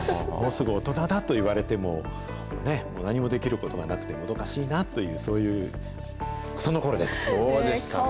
もうすぐ大人だと言われてもね、何もできることがなくて、もどかしいなっていう、そういう、そんそうですか。